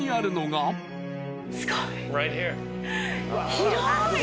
すごい。